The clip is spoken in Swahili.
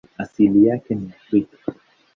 Asili yake ni Afrika.